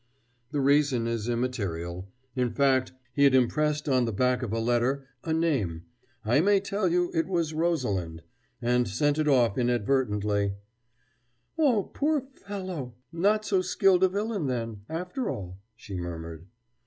"The reason is immaterial.... In fact, he had impressed on the back of a letter a name I may tell you it was 'Rosalind' and sent it off inadvertently " "Oh, poor fellow! Not so skilled a villain then, after all," she murmured.